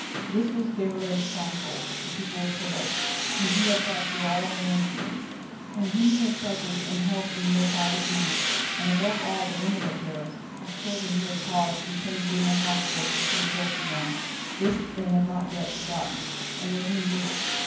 This was Déroulède's stronghold: the people of Paris, whom he had loved through all their infamies, and whom he had succoured and helped in their private need; and above all the women of Paris, whose children he had caused to be tended in the hospitals which he had built for them this they had not yet forgotten, and Merlin knew it.